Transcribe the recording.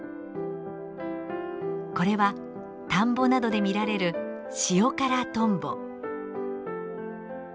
これは田んぼなどで見られるシオカラトンボ。